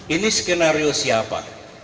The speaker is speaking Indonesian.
ini skenario siapa